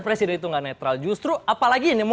presiden itu gak netral justru apalagi